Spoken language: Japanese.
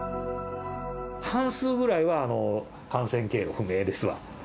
半数ぐらいは感染経路不明ですわ。